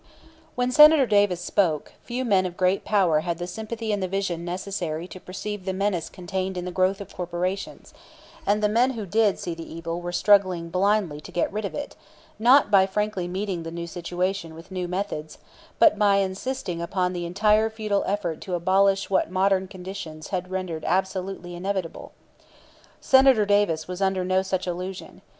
When Senator Davis spoke, few men of great power had the sympathy and the vision necessary to perceive the menace contained in the growth of corporations; and the men who did see the evil were struggling blindly to get rid of it, not by frankly meeting the new situation with new methods, but by insisting upon the entirely futile effort to abolish what modern conditions had rendered absolutely inevitable. Senator Davis was under no such illusion.